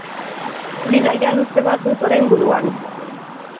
Bidaia luze bat dut orain buruan.